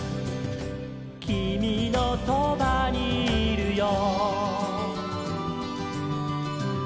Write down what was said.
「きみのそばにいるよ」